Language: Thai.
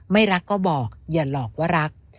ไม่รักก็บอกอย่าหลอกว่ารัก